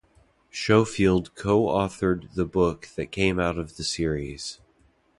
Schofield co-authored the book that came out of the series.